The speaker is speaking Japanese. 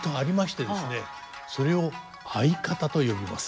それを合方と呼びます。